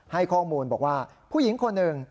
ให้ข้อมูลบอกว่าผู้หญิงคนหนึ่ง